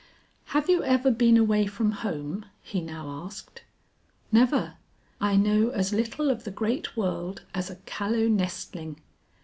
"Have you ever been away from home?" he now asked. "Never, I know as little of the great world as a callow nestling.